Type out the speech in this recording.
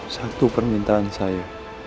satu permintaan saya